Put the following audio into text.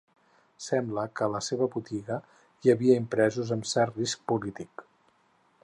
Sembla que a la seva botiga hi havia impresos amb cert risc polític.